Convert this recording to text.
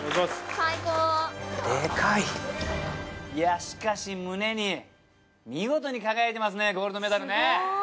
いやしかし胸にみごとに輝いてますねゴールドメダル。